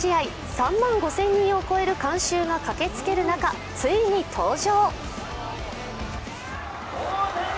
３万５０００人を超える観衆が駆けつける中、ついに登場。